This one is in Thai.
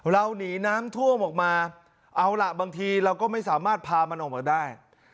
เราหนีน้ำท่วมออกมาเอาล่ะบางทีเราก็ไม่สามารถพามันออกมาได้